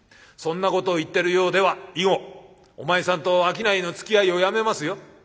そんなことを言ってるようでは以後お前さんと商いのつきあいをやめますよ」。